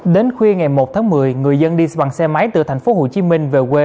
đến khuya ngày một tháng một mươi người dân đi bằng xe máy từ thành phố hồ chí minh về quê